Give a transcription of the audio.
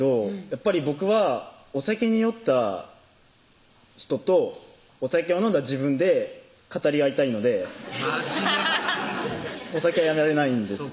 やっぱり僕はお酒に酔った人とお酒を飲んだ自分で語り合いたいので真面目お酒はやめられないんです